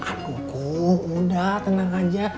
aduh kuh udah tenang aja